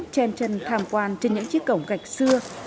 chen chân tham quan trên những chiếc cổng gạch xưa